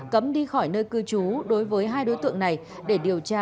cấm đi khỏi nơi cư trú đối với hai đối tượng này để điều tra